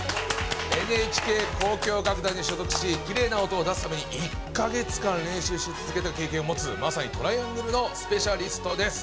ＮＨＫ交響楽団に所属しきれいな音を出すために１カ月間練習し続けた経験を持つまさにトライアングルのスペシャリストです。